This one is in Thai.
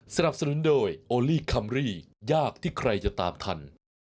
สนับสนุนโดยโอลี่คัมรี่ยากที่ใครจะตามทัน